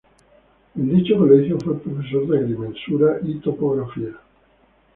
En dicho colegio fue profesor de agrimensura y topografía.